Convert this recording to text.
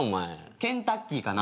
ケンタッキーかな。